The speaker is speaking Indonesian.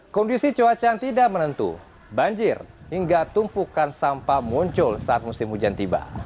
kondisi cuaca yang tidak menentu banjir hingga tumpukan sampah muncul saat musim hujan tiba